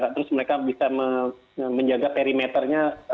terus mereka bisa menjaga perimeternya